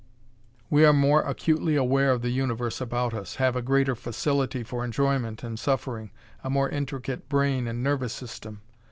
We are more acutely aware of the universe about us, have a greater facility for enjoyment and suffering, a more intricate brain and nervous system.